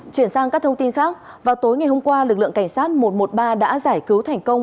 chuyển sang các thông tin khác vào tối ngày hôm qua lực lượng cảnh sát một trăm một mươi ba đã giải cứu thành công